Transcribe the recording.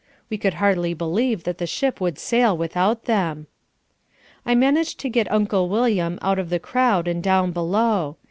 We could hardly believe that the ship would sail without them. I managed to get Uncle William out of the crowd and down below.